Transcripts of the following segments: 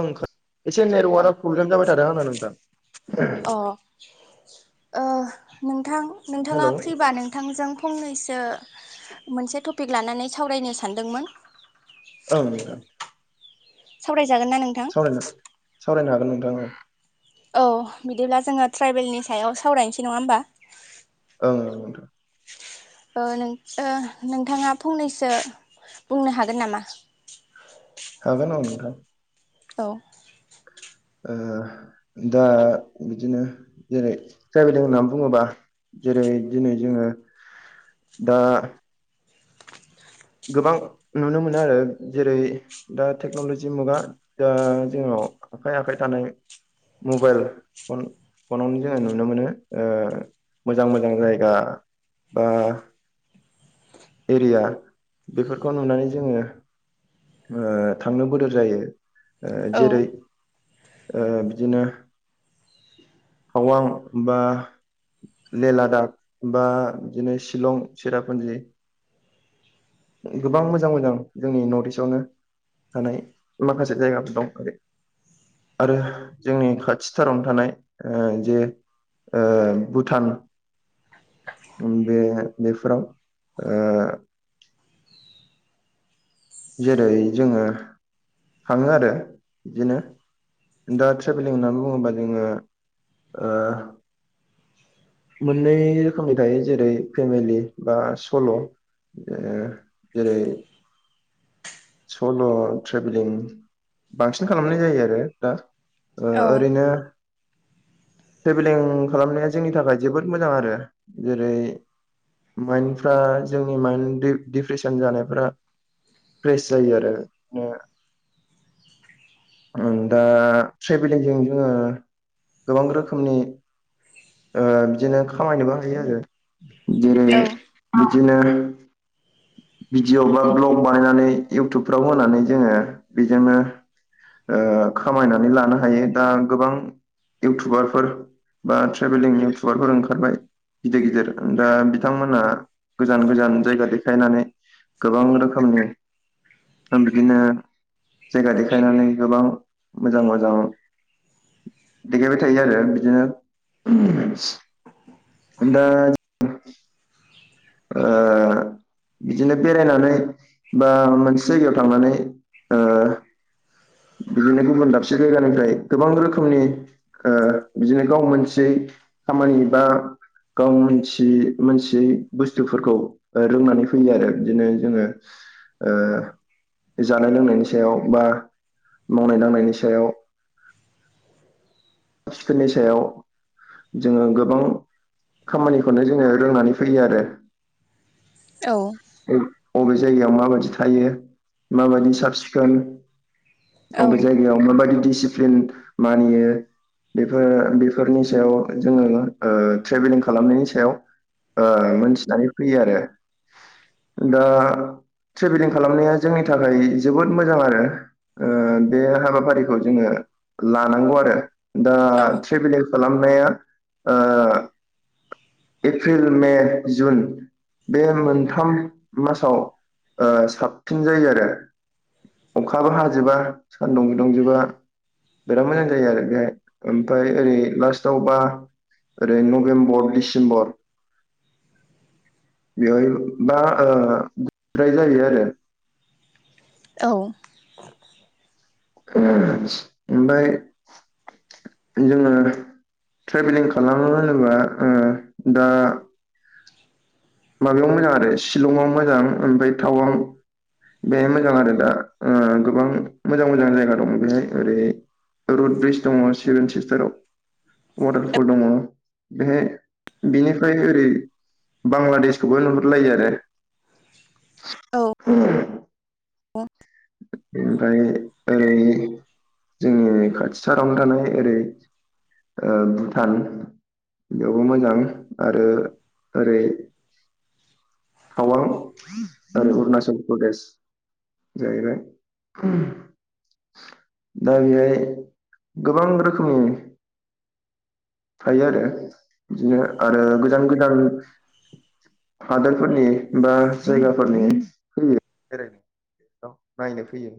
ओं एसे अ नेटवार्कआ प्रब्लेम जाबाय थादों आंना नोंथां ओ नोंथां नोंथाङा हेलौ फ्रिबा नोंथांजों फंनैसो मोनसे टपिक लानानै सावरायनो सानदोंमोन औ नोंथां। सावरायजागोन ना नोंथां? सावरायनो सावरायनो हागोन नोंथां औ औ बिदिब्ला जोङो ट्रेबेलनि सायाव सावरायनोसै नङा ओमबा औ नंगौ नोंथां ओ नों ओ नोंथाङा फंनैसो बुंनो हागोन नामा! हागोन औ नोंथां औ ओ दा बिदिनो जेरै ट्रेबेल होनना बुङोबा जेरै दिनै जोङो दा गोबां नुनो मोनो आरो जेरै दा टेक्न'लजि मुगा दा जोंनाव आखाइ आखाइ थानाय मबाइल फन फनावनो जोङा नुनो मोनो ओ मोजां मोजां जायगा बा एरिया बेफोरखौ नुनानै जोङो ओ थांनो बोदोर जायो। ओ औ जेरै ओ बिदिनो टावां बा जे लादाख बा बिदिनो शिलं चिरापुन्जि गोबां मोजां मोजां जोंनि नथ इस आवनो थानाय माखासे जायगाफोर दं ओरै। आरो जोंनि खाथिथारावनो थानाय ओ जे ओ भुटान बे-बेफोराव ओ जेरै जोङो थाङो आरो बिदिनो। दा ट्रेभेलिं होनना बुङोबा जोङो ओ मोननै रोखोमनि थायो जेरै फेमिलि बा सल' ओ जेरै सल' ट्रेभेलिं बांसिन खालामनाय जायो आरो दा। ओ औ ओरैनो ट्रेभेलिं खालामनाया जोंनि थाखाय जोबोद मोजां आरो। जेरै माइन्डफ्रा जोंनि माइन्ड डि-डिप्रेसन जानायफ्रा फ्रेस जायो आरो बिदनो। ओं दा ट्रेभेलिंजों जोङो गोबां रोखोमनि ओ बिदिनो खामायनोबो हायो आरो। जेरै औ बिदिनो भिडिअ बा ब्लग बानायनानै इउटुबफ्राव होनानै जोङो बिजोंनो ओ खामायनानै लानो हायो दा गोबां इउटुबारफोर बा ट्रेभेलिं इउटुबारफोर ओंखारबाय। गिदिर गिदिर दा बिथांमोनहा गोजान गोजान जायगा देखायनानै गोबां रो खोमनि [unintelligible] बिदिनो जायगा देखायनानै गोबां मोजां मोजां देखायबाय थायो आरो बिदिनो। [unintelligible] दा जों ओ बिदिनो बेरायनानै बा मोनसे जायगायाव थांनानै ओ बिदिनो गुबुन दाबसे जायगानिफ्राय गोबां रोखोमनि ओ बिदिनो गाव मोनथियै खामानि बा गाव मोन्थियै मोन्थियै बुस्थुफोरखौ ओ रोंनानै फैयो आरो बिदिनो जोङो। ओ जानाय लोंनायनि सायाव बा मावनाय दांनायनि सायाव। सिखोननि सायाव जोङो गोबां खामानिखौनो जोङो रोंनानै फैयो आरो। औ बबे जायगायाव माबादि थायो, माबायदि साब सिखोन औ अबे जायगायाव माबायदि दिसिप्लिन मानियो बेफोर बेफोरनि सायाव जोङो ओ ट्रेभेलिं खालामनायनि सायाव ओ मोनथिनानै फैयो आरो। दा ट्रेभेलिं खालामनाया जोंनि थाखाय जोबोद मोजां आरो। ओ बे हाबाफारिखौ जोङो लानांगौ आरो। दा औ ट्रेभेलिं खालामनाया ओ एप्रिल मे जुन बे मोनथाम मासाव ओ साबसिन जायो आरो। अखाबो हाजोबा सानदुंबो दुंजोबा बिराद मोजां जायो आरो बेहाय। ओमफ्राय ओरै लास्टावबा ओरै नबेम्बर डिसेम्बर [inaudible] बेवहाय बा ओ फ्राय जायो आरो औ ओ ओमबाय जोङो ट्रेभेलिं खालामो होनोबा दा माबायाव मोजां आरो शिलंआव मोजां ओमफ्राय टाउआं बेहाय मोजां आरो दा गोबां मोजां मोजां जायगा दं बेहाय ओरै रुड ब्रिज दङ सिभेन चिस्टाराव वाटारफल दङ बेहाय बिनिफ्राय ओरै बांलादेशखौबो नुहुरलायो आरो औ ओमफ्राय ओ जोंनि खाथि सारावनो थानाय ओरै भुटान बेयावबो मोजां आरो ओरै थावां ओरै अरुनाचल प्रदेश जायैबाय दा बेहाय गोबां रोखोमनि थायो आरो बिदिनो आरो गोजान गोजान हादोरफोरनि बा जायगाफोरनि फैयो जेरै नायनो फैयो।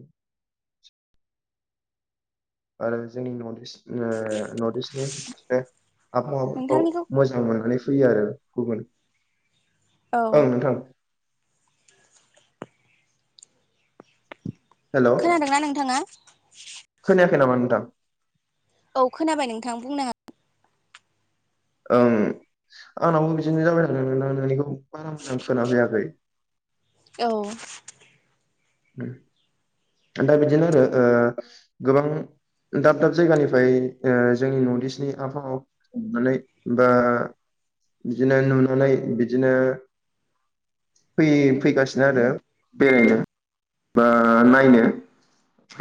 आरो जोंनि नर्थ इस्ट नर्थ इस्टनिबो आबहावाफोरखौ नोंथांनिखौ मोजां मोननानै फैयो आरो गुबुन औ ओं नोंथां हेल' खोनादोंना नोंथाङा खोनायाखै नामा नोंथां? औ खोनाबाय नोंथां बुंनो हागोन। ओं आंनावबो बिदिनो जाबाय थदों नों नोंनिखौ बारा मोजां खोना फैयाखै औ दा बिदिनो आरो ओ गोबां दाब दाब जायगानिफ्राय ओ जोंनि नर्थ इस्टनि आबहावा नानै बा बिदिनो नुनानै बिदिनो फैगासिनो आरो बेरायनो बा नायनो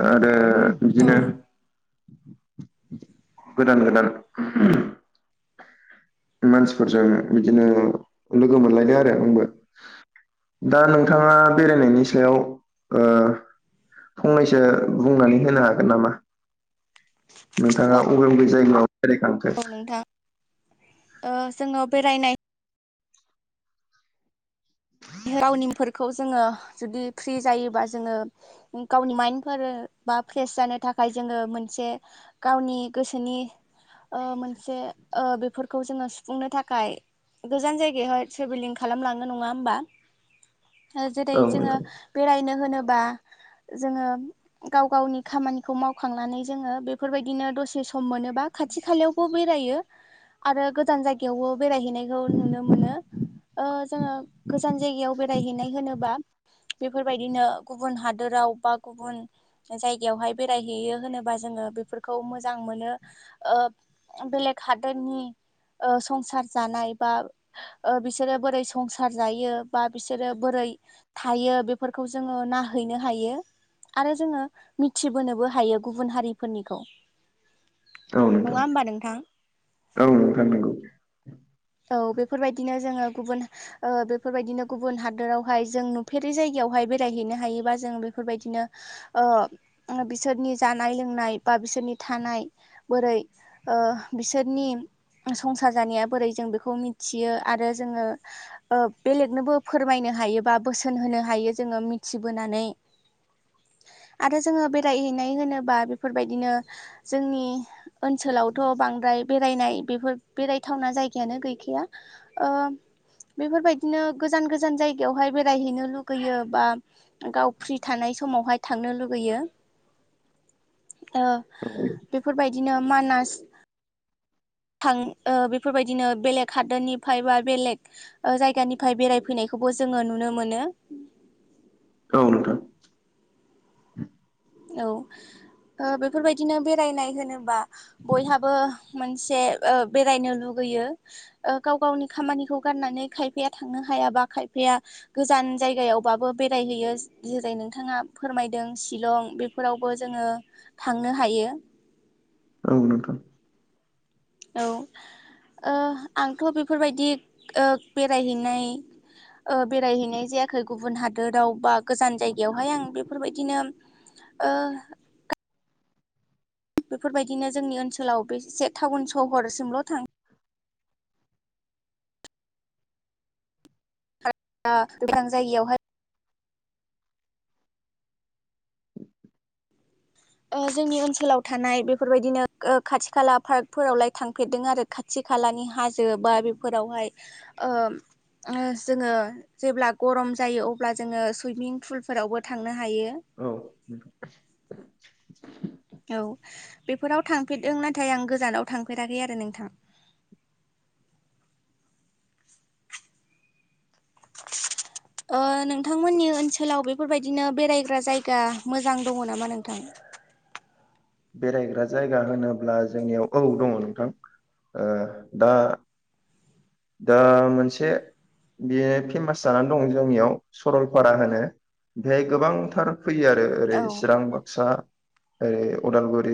आरो औ बिदिनो गोदान गोदान मानसिफोरजों बिदिनो लोगो मोनलायदों आरो आंबो दा नोंथाङा बेरायनायनि सायाव ओ फंनैसो बुंनानै होनो हागोन नामा? नोंथाङा अबे अबे जायगायाव बेरायखांखो औ नोंथां ओ जोङो बेरायनाय [unintelligible] फोरखौ जोङो जुदि फ्रि जायोबा जोङो गावनि माइन्दफोर बा फ्रेस जानो थाखाय जोङो मोनसे गावनि गोसोनि ओ मोनसे बेफोरखौ जोङो सुफुंनो थाखाय गोजान जायगायावहाय ट्रेभेलिं खालामलांङो नङा होमबा जेरै औ जोङो नोंथां बेरायनो होनोबा जोङो गाव गावनि खामानिखौ मावखांनानै जोङो बेफोरबायदिनो दसे सम मोनोबा खाथि खालायावबो बेरायो आरो गोजान जायगायावबो बेरायहैनायखौ नुनो मोनो ओ जोङो गोजान जायगायाव बेरायहैनाय होनोबा बेफोरबायदिनो गुबुन हादोराव बा गुबुन जायगायावहाय बेरायहैयो होनोबा जोङो बेफोरखौ मोजां मोनो ओ बेलेग हादोरनि ओ संसार जानाय बा बिसोरो बोरै संसार जायो बा बिसोरो बोरै थायो बेफोरखौ जोङो नाहैनो हायो आरो जोङो मिथिबोनोबो हायो गुबुन हारिफोरनिखौ औ नोंथां नङा होमबा नोंथां औ नोंथां नोंगौ औ बेफोरबायदिनो जोङो गुबुन बेफोरबायदिनो गुबुन हादोरावहाय जों नुफेरै जायगायावहाय बेरायहैनो हायोबा जों बेफोरबायदिनो बिसोरनि जानाय लोंनाय बा बिसोरनि थानाय बोरै ओ बिसोरनि संसार जानाया बोरै जों बेखौ मिथियो आरो जोङो ओ बेलेगनोबो फोरमायनो हायोबा बोसोन होनो हायो यो जोङो मिथिबोनानै [inaudible] आरो जोङो बेरायहैनाय होनोबा बेफोरबायदिनो जोंनि ओनसोलावथ' बांद्राय बेरायनाय बेफोर बेरायथावना जाय- गायानो गैखाया ओ बेफोरबायदिनो गोजान गोजान जायगायावहाय बेरायहैनो लुगैयो बा गाव फ्रि थानाय समावहाय थांनो लुगैयो [inaudible] ओ औ बेफोरबायदिनो मानास थां बेफोरबायदिनो बेलेग हादोरनिफ्राय बा बेलेग जायगानिफ्राय बेरायफैनायखौ खौबो जोङो नुनो मोनो औ नोंथां औ बेफोरबायदिनो बेरायनाय होनोबा बयहाबो मोनसे बेरायनो लुगै गैयो गाव गावनि खामानिखौ गारनानै खायफाया थांनो हायाबा खायफाया गोजान जायगायावबाबो बेरायहैयो जेरै नोंथाङा फोरमायदों शिलं बेफोरावबो जोङो थांनो हायो औ नोंथां औ आंथ' बेफोरबायदि बेरायहैनाय बेरायहैनाय जायाखै गुबुन हादोराव बा गोजान जायगायावहाय आं बेफोरबायदिनो ओ बेफोरबायदिनो जोंनि ओनसोलाव बेसे टाउन सहरसिमल' थां दा गोजान जायगायावहाय जोंनि ओनसोलाव थानाय बेफोरबायदिनो खाथि खाला पार्कफोरावलाय थांफेरदों आरो खाथि खालानि हाजो बा बेफोरावहाय जोङो जेब्ला गरम जायो अब्ला जोङो सुइमिं फुलफोरावबो थांनो हा औ औ बेफोराव थांफेरदों नाथाय आं गोजानाव थांफेराखै आरो नोंथां [inaudible] [inaudible] ओ नोंथांमोननि ओनसोलाव बेफोरबायदिनो बेरायग्रा जायगा मोजां दङ नामा नोंथां? बेरायग्रा जायगा होनोब्ला जोंनियाव औ दङ नोंथां दा दा मोनसे बेयो फेमास जानानै दं जोंनियाव सरलपारा होनो बेहाय गोबांथार फैयो आरो ओरै औ चिरां बाक्सा ओरै उदालगुरि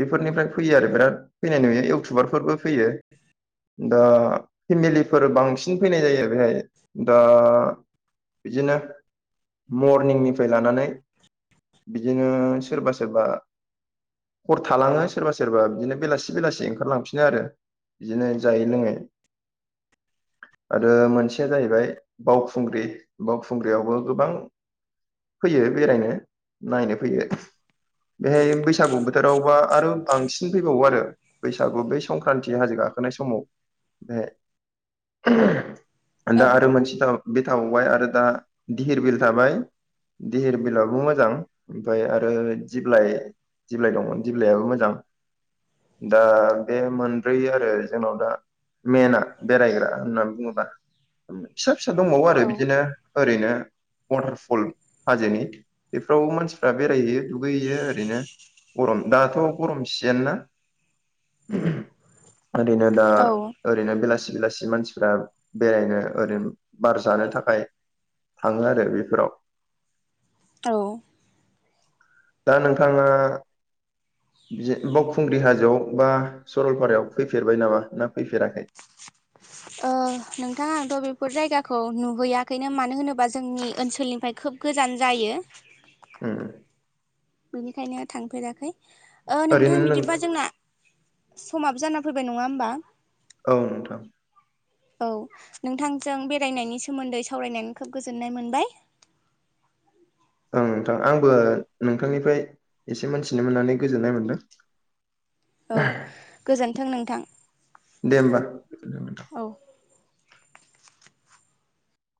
बेफोरनिफ्राय फैयो आरो बिराद फैनाय नुयो इउटुबारफोरबो फैयो दा फेमिलिफोर बांसिन फैनाय जायो बेहाय दा बिदिनो मरनिंनिफ्राय लानानै बिदिनो सोरबा सोरबा हर थालाङो सोरबा सोरबा बिदिनो बेलासि बेलासि ओंखारलांफिनो आरो बिदिनो जायै लोङै आरो मोनसेया जाहैबाय बावखुंग्रि बावखुंग्रियावबो गोबां फैयो बेरायनो नायनो फैयो बेहाय बैसागु बोथोरावबा आरो बांसिन फैबावो आरो बैसागु बै संक्रान्ति हाजो गाखोनाय समाव बेहाय औ दा आरो मोनसे बे थाबावबाय आरो दा धिहिर बिल थाबाय धिहिर बिलआबो मोजां ओमफाय आरो दिब्लाइ दिब्लाइ दंमोन दिब्लायाबो मोजां दा बे मोनब्रै आरो जोंनाव दा मेना बेरायग्रा होननानै बुङोबा फिसा फिसा दंबावो आरो औ बिदिनो ओरैनो वाटारफल हाजोनि बेफोराव मानसिफ्रा बेरायहैयो दुगैयो ओरैनो गरम दाथ' गरम सिजेन ना ओरैनो दा औ ओरैनो बेलासि बेलासि मानसिफ्रा बेरायनो ओरैनो बार जानो थाखाय थाङो आरो बेफोराव औ दा नोंथाङा बावखुंग्रि हाजोआव बा सरलपारायाव फैफेरबाय नामा ना फैफेराखै? [inaudible] नोंथां आं थ' बेफोर जायगाखौ नुहैयाखैनो मानो होनोबा जोंनि ओनसोलनिफ्राय खोब गोजान जायो उम बेनिखायनो थांफेराखै नोंथां ओरैनो नों बिदिबा जोंना समाबो जाना फैबाय नङा होमबा औ नोंथां औ नोंथांजों बेरायनायनि सोमोन्दै सावरायनानै खोब गोजोननाय मोनबाय [inaudible] ओं नोंथां आंबो नोंथांनिफ्राय एसे मोनथिनो मोननानै गोजोननाय मोनदों औ गोजोन्थों नोंथां दे होमबा गोजोनबाय औ